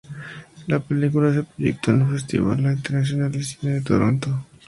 La película se proyectó en Festival Internacional de Cine de Toronto.